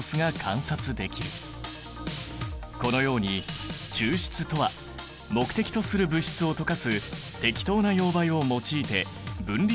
このように抽出とは目的とする物質を溶かす適当な溶媒を用いて分離する操作のこと。